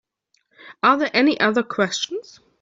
Are there any other questions?